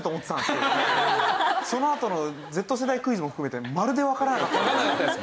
そのあとのＺ世代クイズも含めてまるでわからなかったので。